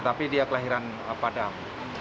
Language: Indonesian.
tapi dia kelahiran padang